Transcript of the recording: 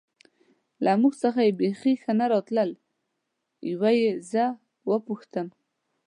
له موږ څخه یې بېخي ښه نه راتلل، یوه یې زه و پوښتم.